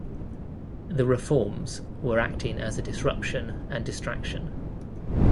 The reforms were acting as a "disruption and distraction".